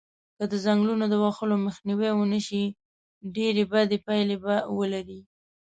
که د ځنګلونو د وهلو مخنیوی و نشی ډیری بدی پایلی به ولری